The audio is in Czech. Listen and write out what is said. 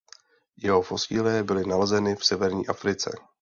Jeho fosílie byly nalezeny v Severní Africe.